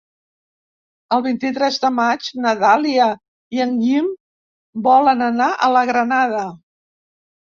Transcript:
El vint-i-tres de maig na Dàlia i en Guim volen anar a la Granada.